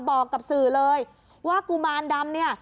บอกกับสื่อเลยว่ากุมารดำเนี่ย